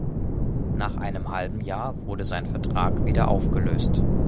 Nach einem halben Jahr wurde sein Vertrag wieder aufgelöst.